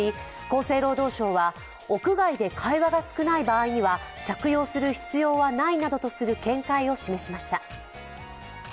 厚生労働省は、屋外で会話が少ない場合には着用する必要はないなどとする見解を示しました。